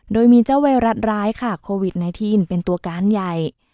โดยมีเจ้าไวรัสร้ายค่ะโควิด๑๙เป็นตัวการใหญ่